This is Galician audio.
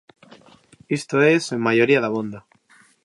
Isto é, sen maioría dabondo.